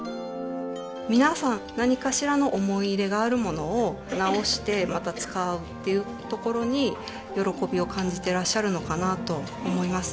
皆さん何かしらの思い入れがあるものを直してまた使うっていうところに喜びを感じてらっしゃるのかなと思います。